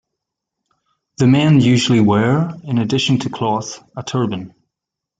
The men usually wear, in addition to cloth, a turban.